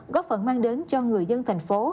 góp phận mang đến cho người dân thành phố